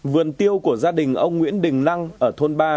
vườn tiêu của gia đình ông nguyễn đình lăng ở thôn ba